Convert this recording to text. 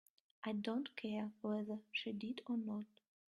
I don't care whether she did or not.